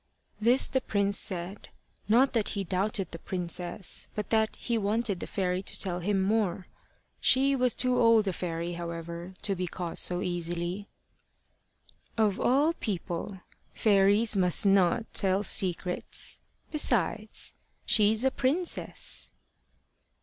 This the prince said, not that he doubted the princess, but that he wanted the fairy to tell him more. She was too old a fairy, however, to be caught so easily. "Of all people, fairies must not tell secrets. Besides, she's a princess."